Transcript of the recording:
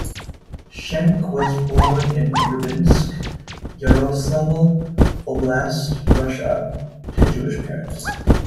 Schenck was born in Rybinsk, Yaroslavl Oblast, Russia, to Jewish parents.